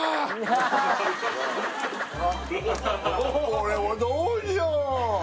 これどうしよう